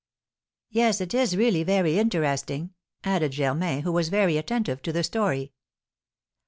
"Yes, it is really very interesting!" added Germain, who was very attentive to the story.